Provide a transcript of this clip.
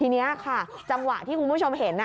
ทีนี้ค่ะจังหวะที่คุณผู้ชมเห็น